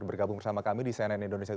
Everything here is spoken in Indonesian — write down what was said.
bergabung bersama kami di cnn indonesia toda